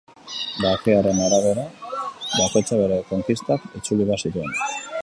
Bake haren arabera, bakoitzak bere konkistak itzuli behar zituen.